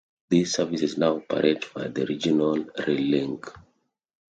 These services now operate via the Regional Rail Link.